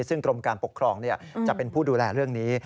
ซึ่งกรมการปกครองจะเป็นผู้ดูแลเรื่องนี้